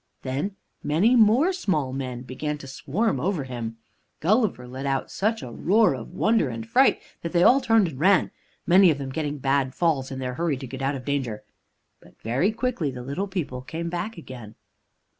Then many more small men began to swarm over him. Gulliver let out such a roar of wonder and fright that they all turned and ran, many of them getting bad falls in their hurry to get out of danger. But very quickly the little people came back again.